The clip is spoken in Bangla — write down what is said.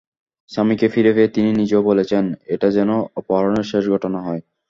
স্বামীকে ফিরে পেয়ে তিনি নিজেও বলেছেন, এটাই যেন অপহরণের শেষ ঘটনা হয়।